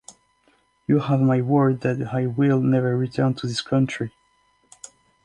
You have my word that I will never return to this country.